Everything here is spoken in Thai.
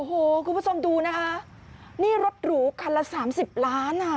โอ้โหคุณผู้ชมดูนะคะนี่รถหรูคันละสามสิบล้านอ่ะ